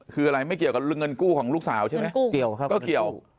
คืออะไรไม่เกี่ยวกับเงินกู้ของลูกสาวใช่ไหม